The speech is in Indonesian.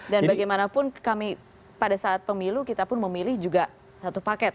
dan bagaimanapun kami pada saat pemilu kita pun memilih juga satu paket